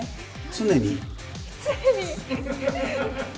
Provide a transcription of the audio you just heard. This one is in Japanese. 常に？